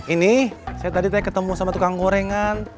ini saya tadi ketemu sama tukang gorengan